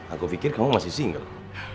aku pikir kamu masih single